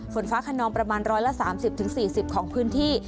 ฝนฟ้าขนองประมาณ๑๓๐๔๐ของพื้นที่